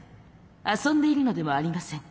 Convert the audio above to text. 遊んでいるのでもありません。